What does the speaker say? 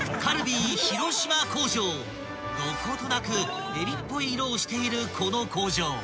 ［どことなくえびっぽい色をしているこの工場。